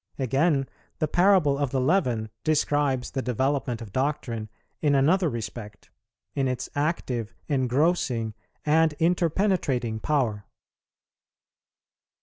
Again, the Parable of the Leaven describes the development of doctrine in another respect, in its active, engrossing, and interpenetrating power.